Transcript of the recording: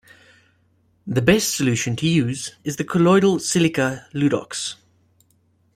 The best solution to use is the colloidal silica, Ludox.